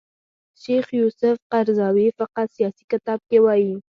شیخ یوسف قرضاوي فقه سیاسي کتاب کې وايي